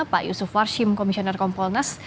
pak yusuf warshim komisioner kompolnas